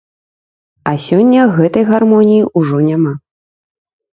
А сёння гэтай гармоніі ўжо няма.